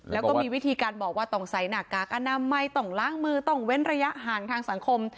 แล้วก็มีวิธีการบอกว่าต้องใส่หน้ากากอนามัยต้องล้างมือต้องเว้นระยะห่างทางสังคม